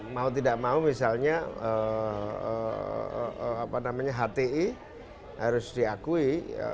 mau tidak mau misalnya hti harus diakui